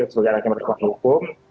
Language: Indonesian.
sebagai anak yang berhadapan dengan hukum